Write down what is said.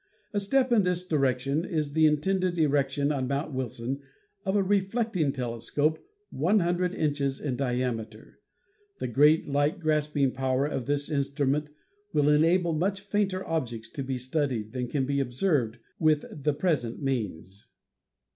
A step in this direction is the intended erection on Mount Wilson of a reflecting telescope one hundred inches in diameter. The great light grasping power of this instrument will enable much fainter objects to be studied than can be observed with the present means.